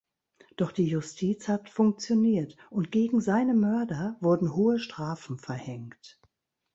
Doch die Justiz hat funktioniert und gegen seine Mörder wurden hohe Strafen verhängt.